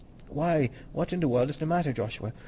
"Why, what in the world is the matter, Joshua?